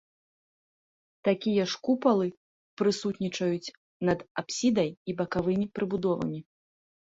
Такія ж купалы прысутнічаюць над апсідай і бакавымі прыбудовамі.